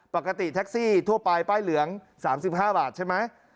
ปกติแท็กซี่ทั่วไปป้ายเหลือง๓๕บาทใช่ไหม